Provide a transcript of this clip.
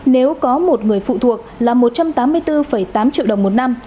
nếu có một người phụ thuộc là một trăm tám mươi bốn tám triệu đồng một năm